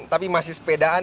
tapi masih sepedaan